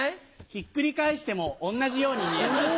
ひっくり返しても同じように見えます。